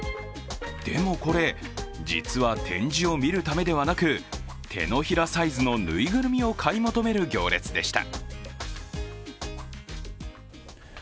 でもこれ、実は展示を見るためではなく手のひらサイズのぬいぐるみを買い求める行列でした。